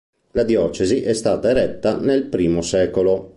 La diocesi è stata eretta nel I secolo.